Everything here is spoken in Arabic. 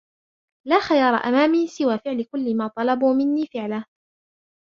لا خيار أمامي سوى فعل كلّ ما طلبوا منّي فعله.